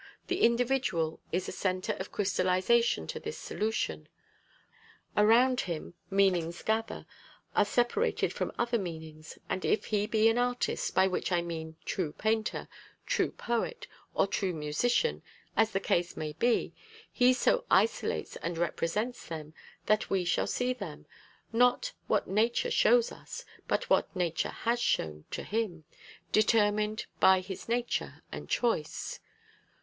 The individual is a centre of crystallisation to this solution. Around him meanings gather, are separated from other meanings; and if he be an artist, by which I mean true painter, true poet, or true musician, as the case may be he so isolates and represents them, that we see them not what nature shows to us, but what nature has shown, to him, determined by his nature and choice.